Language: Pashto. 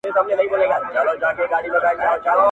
رابولې زر مخونه د خپل مخ و تماشې ته-